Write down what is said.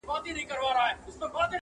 له پاچا او له رعیته څخه ورک سو-